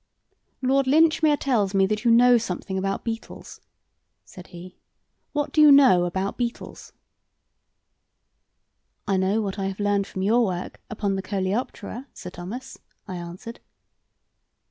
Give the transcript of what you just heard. "Lord Linchmere tells me that you know something about beetles," said he. "What do you know about beetles?" "I know what I have learned from your work upon the coleoptera, Sir Thomas," I answered.